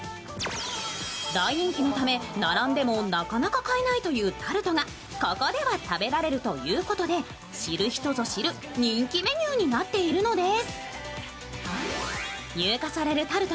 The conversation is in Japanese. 大人気のため、並んでもなかなか買えないというタルトがここでは食べられるということで、知る人ぞ知る人気メニューになっているのです。